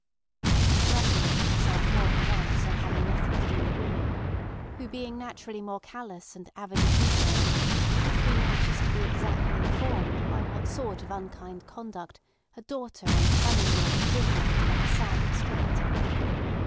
She congratulated herself more than once on having nothing to do with women, who being naturally more callous and avid of details, would have been anxious to be exactly informed by what sort of unkind conduct her daughter and son in law had driven her to that sad extremity.